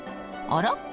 あら？